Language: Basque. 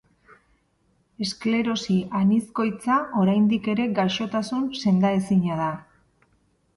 Esklerosi anizkoitza oraindik ere gaixotasun sendaezina da.